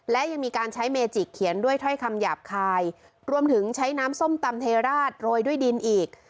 และยังมีการใช้เมจิกเขียนด้วยถ้อยคำหยาบคายรวมถึงใช้น้ำส้มตำเทราชโรยด้วยดินอีก